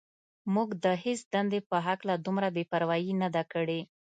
موږ د هېڅ دندې په هکله دومره بې پروايي نه ده کړې.